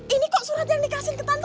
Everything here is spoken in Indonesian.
ini kok surat yang dikasih ke tanah